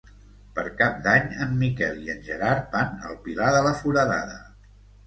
Per Cap d'Any en Miquel i en Gerard van al Pilar de la Foradada.